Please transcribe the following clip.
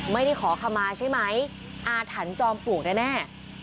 ไม่ได้ขอคำมาใช่ไหมอาถรรพ์จอมปลวกแน่